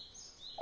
あ。